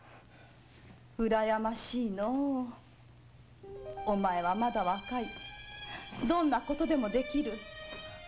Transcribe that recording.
うらやましいのお前はまだ若いどんなことでも出来る。